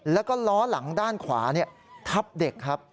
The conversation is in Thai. แล้วก็ล้อหลังด้านขวาทับเด็กครับ